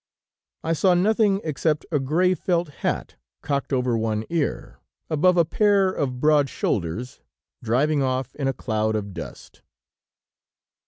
I saw nothing except a gray felt hat, cocked over one ear, above a pair of broad shoulders, driving off in a cloud of dust.